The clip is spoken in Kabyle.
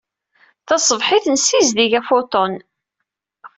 Taṣebḥit, nessizdig afutun.